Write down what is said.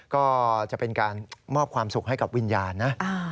ก็จะเป็นการมอบความสุขให้กับวิญญาณนะ